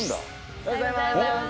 おはようございます。